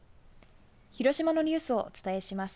広島のニュースをお伝えします。